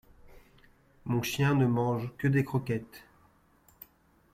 Mon chien ne mange que des croquettes.